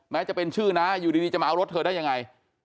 จะเป็นชื่อน้าอยู่ดีจะมาเอารถเธอได้ยังไง